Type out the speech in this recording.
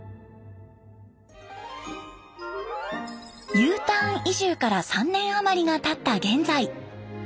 Ｕターン移住から３年あまりがたった現在。